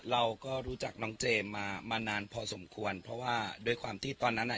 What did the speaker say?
เราก็รู้จักน้องเจมส์มามานานพอสมควรเพราะว่าด้วยความที่ตอนนั้นอ่ะ